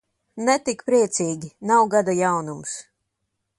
Ne tik priecīgi, nav gada jaunums.